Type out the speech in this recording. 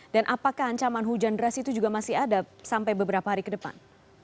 dan apakah ancaman hujan deras itu juga masih ada sampai beberapa hari ke depan